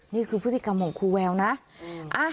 นี่คือพฤติกรรมของครูแววนะ